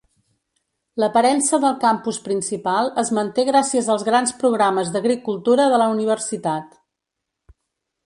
L'aparença del campus principal es manté gràcies als grans programes d'agricultura de la universitat.